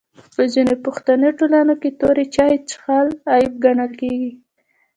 په ځینو پښتني ټولنو کي توري چای چیښل عیب بلل کیږي.